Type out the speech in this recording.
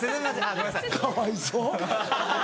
かわいそう。